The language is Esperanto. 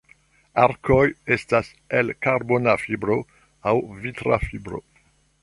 Arkoj estas el karbona fibro aŭ vitra fibro.